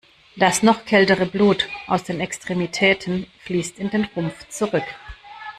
Das noch kältere Blut aus den Extremitäten fließt in den Rumpf zurück.